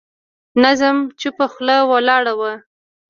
ناظم چوپه خوله ولاړ و.